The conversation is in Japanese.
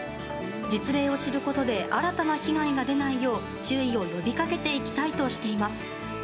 実例を知ることで新たな被害が出ないよう注意を呼びかけていきたいとしています。